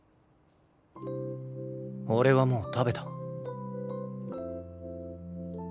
俺はもう食べた。